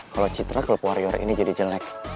kalau citra kelupu warrior ini jadi jelek